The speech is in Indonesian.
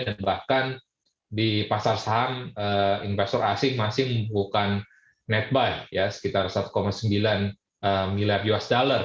dan bahkan di pasar saham investor asing asing bukan netbuy sekitar satu sembilan miliar usd